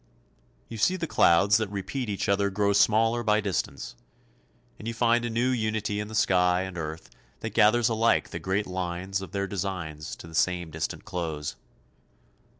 You see the clouds that repeat each other grow smaller by distance; and you find a new unity in the sky and earth that gather alike the great lines of their designs to the same distant close.